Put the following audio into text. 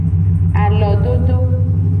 Alododo.